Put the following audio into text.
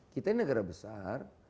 kita ini negara besar